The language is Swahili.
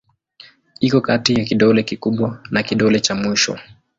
Iko kati ya kidole kikubwa na kidole cha mwisho.